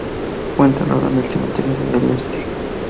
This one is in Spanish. Fue enterrado en el cementerio del Este.